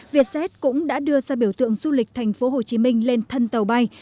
vietjet cũng đã đưa ra biểu tượng du lịch tp hcm lên thân tàu bay